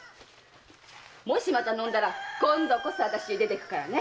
もしまた飲んだら今度こそ私出ていくからね！